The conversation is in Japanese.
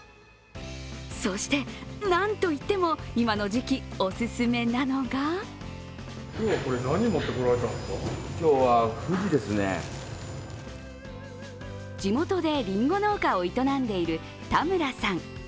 そして、何といっても今の時期、お勧めなのが地元でりんご農家を営んでいる田村さん。